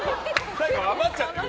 最後余っちゃってる。